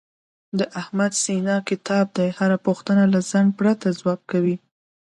د احمد سینه کتاب دی، هره پوښتنه له ځنډ پرته ځواب کوي.